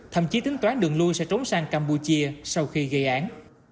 thậm chí tính toán đường lui sẽ trốn sang campuchia sau khi gây án